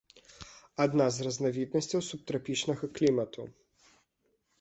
Адна з разнавіднасцяў субтрапічнага клімату.